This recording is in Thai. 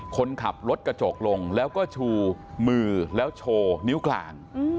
คนขับรถกระจกลงแล้วก็ชูมือแล้วโชว์นิ้วกลาง